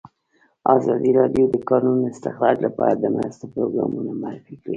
ازادي راډیو د د کانونو استخراج لپاره د مرستو پروګرامونه معرفي کړي.